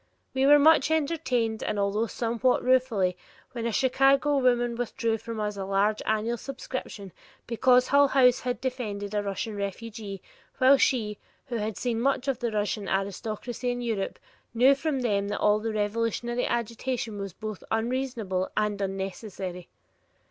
We were much entertained, although somewhat ruefully, when a Chicago woman withdrew from us a large annual subscription because Hull House had defended a Russian refugee while she, who had seen much of the Russian aristocracy in Europe, knew from them that all the revolutionary agitation was both unreasonable and unnecessary!